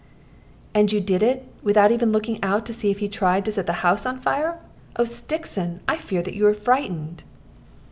"And you did it, without even looking out to see if he tried to set the house on fire! Oh, Stixon, I fear that you were frightened."